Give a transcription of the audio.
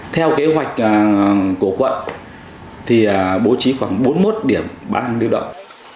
theo kế hoạch của quận thì bố trí khoảng bốn mươi một điểm bán lưu động